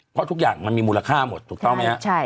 เพราะทุกอย่างมันมีมูลค่าหมดถูกต้องไหมครับ